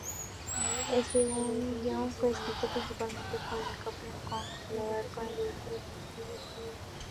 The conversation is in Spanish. El guion fue escrito principalmente por el propio Kon en colaboración con el director.